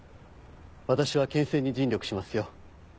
私は県政に尽力しますよ。